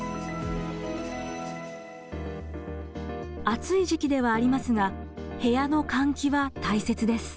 暑い時期ではありますが部屋の換気は大切です。